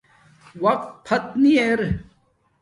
وقت فت نی ارہ